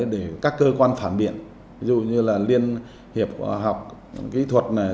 để các cơ quan phản biện ví dụ như là liên hiệp học kỹ thuật